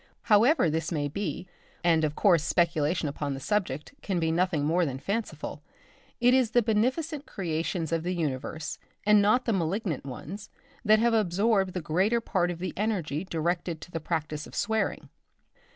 However this may be, and of course speculation upon the subject can be nothing more than fanciful, it is the beneficent creations of the universe, and not the malignant ones, that have absorbed the greater part of the energy directed to the practice of swearing.